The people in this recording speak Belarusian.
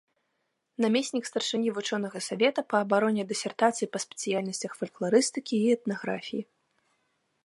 Намеснік старшыні вучонага савета па абароне дысертацый па спецыяльнасцях фалькларыстыкі і этнаграфіі.